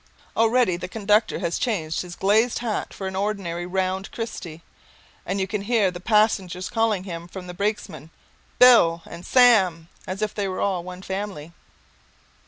Already the conductor has changed his glazed hat for an ordinary round Christie and you can hear the passengers calling him and the brakesman "Bill" and "Sam" as if they were all one family.